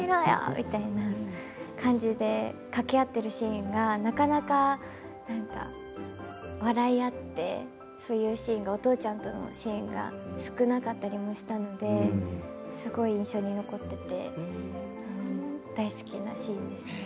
みたいな感じでかけ合っているシーンがなかなか笑い合ってそういうシーンがお父ちゃんとのシーンが少なかったりもしたのですごい印象に残っていて大好きなシーンです。